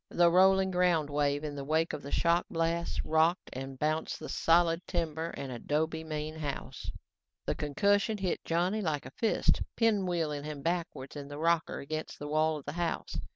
The rolling ground wave in the wake of the shock blast, rocked and bounced the solid, timber and adobe main house. The concussion hit Johnny like a fist, pinwheeling him backwards in the rocker against the wall of the house.